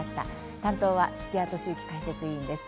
担当は土屋敏之解説委員です。